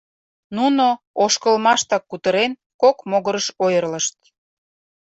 Нуно, ошкылмаштак кутырен, кок могырыш ойырлышт.